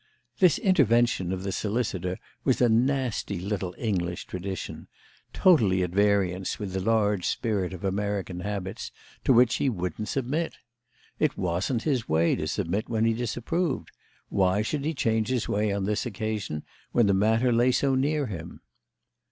This intervention of the solicitor was a nasty little English tradition—totally at variance with the large spirit of American habits—to which he wouldn't submit. It wasn't his way to submit when he disapproved: why should he change his way on this occasion when the matter lay so near him?